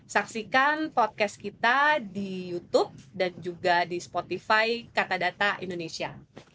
saksikan podcast kita di youtube dan juga di spotify kata data indonesia